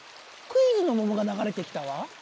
クイズのももがながれてきたわ。